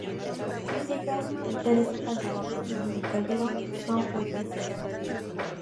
Sus hijas Teresa Calderón y Lila Calderón son poetisas.